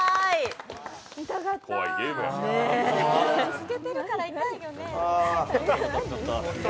透けてるから痛いよね。